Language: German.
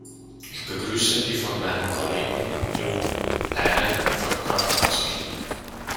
Ich begrüße die von meinem Kollegen, Jo Leinen, vorgebrachten Ansichten.